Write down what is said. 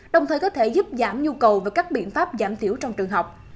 đồng thời có thể giúp giảm nhu cầu và các biện pháp giảm thiểu trong trường học